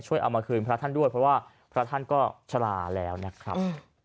เอามาคืนพระท่านด้วยเพราะว่าพระท่านก็ชะลาแล้วนะครับ